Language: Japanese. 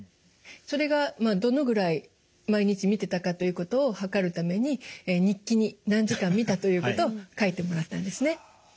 それがまあどのぐらい毎日見てたかということをはかるために日記に何時間見たということを書いてもらったんですね。